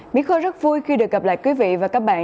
mỹ khôi rất vui khi được gặp lại quý vị và các bạn